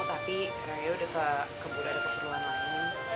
tapi raya udah kebuda ada keperluan lain